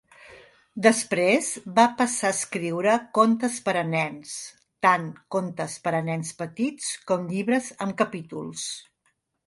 Després va passar a escriure contes per a nens, tant contes per a nens petits com llibres amb capítols.